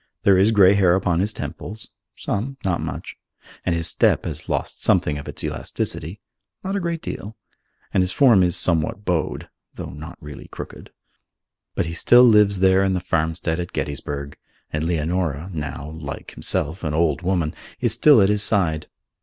There is grey hair upon his temples (some, not much), and his step has lost something of its elasticity (not a great deal), and his form is somewhat bowed (though not really crooked). But he still lives there in the farmstead at Gettysburg, and Leonora, now, like himself, an old woman, is still at his side.